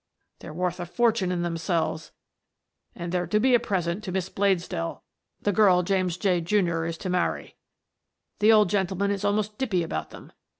They're worth a fortune in themselves and they're to be a present to Miss Bladesdell, the girl James J., Jr., is to marry. The old gentleman is almost dippy about them.